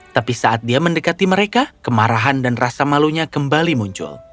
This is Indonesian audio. tapi saat dia mendekati mereka kemarahan dan rasa malunya kembali muncul